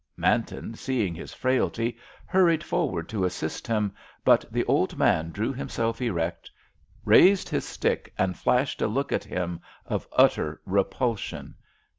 Manton, seeing his frailty, hurried forward to assist him, but the old man drew himself erect, raised his stick, and flashed a look at him of utter repulsion.